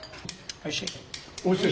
おいしい。